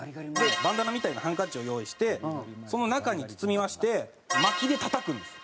バンダナみたいなハンカチを用意してその中に包みまして薪でたたくんです。